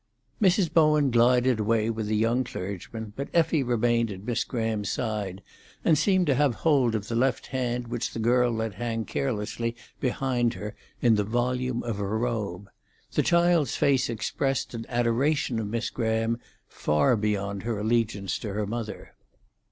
Mrs. Bowen glided away with the young clergyman, but Effie remained at Miss Graham's side, and seemed to have hold of the left hand which the girl let hang carelessly behind her in the volume of her robe. The child's face expressed an adoration of Miss Graham far beyond her allegiance to her mother.